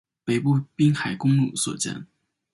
北部滨海公路所见